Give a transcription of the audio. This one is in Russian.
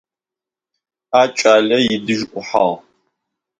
Он подошел к нему.